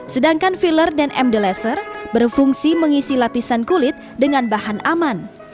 sedangkan filler dan md laser berfungsi mengisi lapisan kulit dengan bahan aman